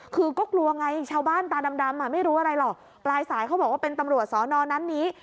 คือก็กลัวไงชาวบ้านตาดำอ่ะไม่รู้อะไรหรอกปลายสายเขาบอกว่าเป็นตำรวจสอนอนั้นนี้